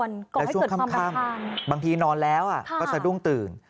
แล้วช่วงค่ำบางทีนอนแล้วก็สะดุ้งตื่น